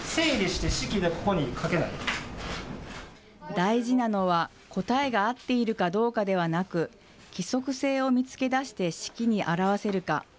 大事なのは答えが合っているかどうかではなく、規則性を見つけ出して式に表せるか。